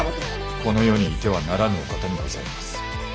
この世にいてはならぬお方にございます。